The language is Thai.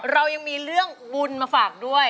เรายังมีเรื่องบุญมาฝากด้วย